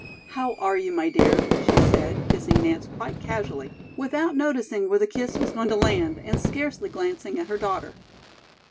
"How are you, my dear?" she said, kissing Nance quite casually, without noticing where the kiss was going to land, and scarcely glancing at her daughter.